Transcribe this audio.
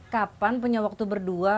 kapan punya waktu berdua